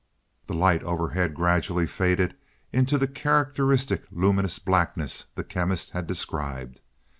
The light overhead gradually faded into the characteristic luminous blackness the Chemist had described.